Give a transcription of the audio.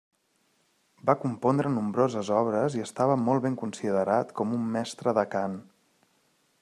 Va compondre nombroses obres i estava molt ben considerat com un mestre de cant.